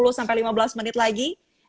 sepuluh sampai lima belas menit lagi